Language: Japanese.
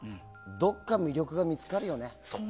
どっか魅力が見つかるよね。